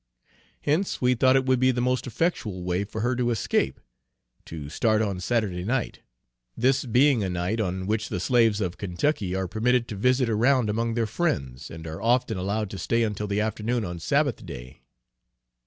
Hence we thought it would be the most effectual way for her to escape, to start on Saturday night; this being a night on which the slaves of Kentucky are permitted to visit around among their friends, and are often allowed to stay until the afternoon on Sabbath day.